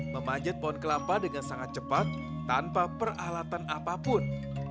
memanjat pohon kelapa dengan sangat cepat tanpa peralatan apapun